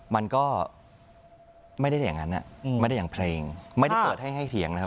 มันก็ไม่ได้อย่างนั้นไม่ได้อย่างเพลงไม่ได้เปิดให้ให้เถียงนะครับ